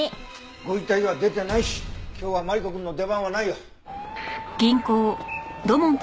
ご遺体は出てないし今日はマリコくんの出番はないよ。